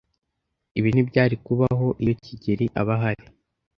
Ibi ntibyari kubaho iyo kigeli aba ahari.